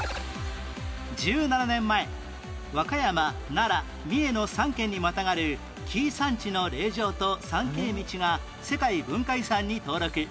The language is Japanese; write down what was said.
１７年前和歌山奈良三重の３県にまたがる紀伊山地の霊場と参詣道が世界文化遺産に登録